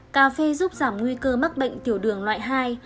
cà phê giúp giảm nguy cơ mắc bệnh tiểu đường loại hai